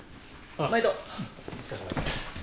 お疲れさまです。